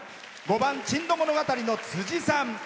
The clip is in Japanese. ５番「珍島物語」の、つじさん。